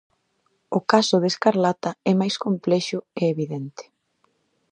O caso de Escarlata é máis complexo e evidente.